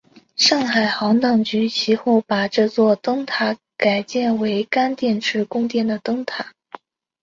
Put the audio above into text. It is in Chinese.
上海航道局其后把这座灯楼改建为干电池供电的灯塔。